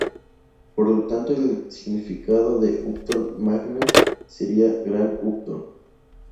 Por lo tanto el significado de Upton Magna sería "Gran Upton".